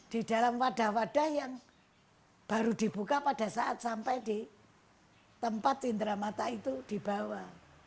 di dalam wadah wadah yang baru dibuka pada saat sampai di tempat cindera mata itu dibawa